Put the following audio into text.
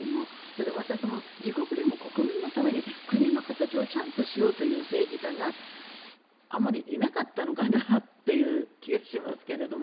また、自国でも国民のために国の形をちゃんとしようという政治家があまりいなかったのかなという気がしますけれども。